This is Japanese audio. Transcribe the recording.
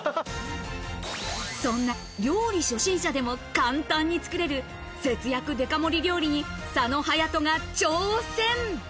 そんな料理初心者でも簡単に作れる節約デカ盛り料理に佐野勇斗が挑戦。